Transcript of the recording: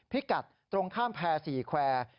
พิกัดตรงข้ามแพร่๔แควร์